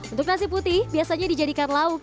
untuk nasi putih biasanya dijadikan lauk